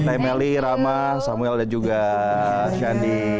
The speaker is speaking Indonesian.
teh meli rama samuel dan juga shandy